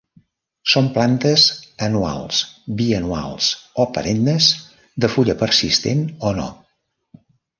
Són plantes anuals bianuals o perennes de fulla persistent o no.